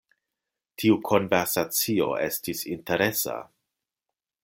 Tiu konversacio estis interesa.